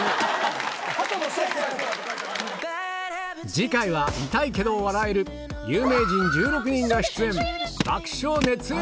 次回は痛いけど笑える有名人１６人が出演爆笑熱演